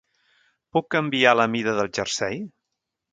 Puc canviar la mida del jersei?